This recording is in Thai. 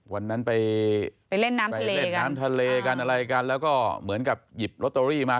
วันนั้นไปเล่นน้ำไปเล่นน้ำทะเลกันอะไรกันแล้วก็เหมือนกับหยิบลอตเตอรี่มา